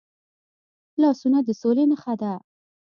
لاسونه د سولې نښه ده